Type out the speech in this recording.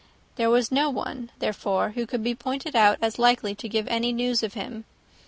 There was no one, therefore, who could be pointed out as likely to give any news of him.